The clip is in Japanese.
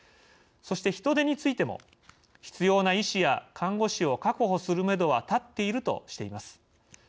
そして、人手についても必要な医師や看護師を確保するめどは立っているとしています。